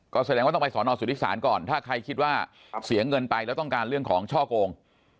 ก็แสดงว่าต้องไปสอนอสุทธิศาลก่อนถ้าใครคิดว่าเสียเงินไปแล้วต้องการเรื่องของช่อกง